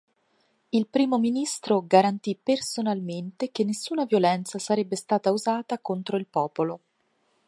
Il Primo Ministro garantì personalmente che nessuna violenza sarebbe stata usata contro il popolo.